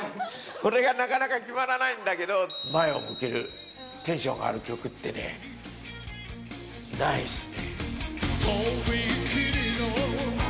これがなかなか決まらないんだけど、前を向ける、テンションが上がる曲ってね、ないっすね。